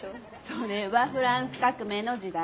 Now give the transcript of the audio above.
それはフランス革命の時代。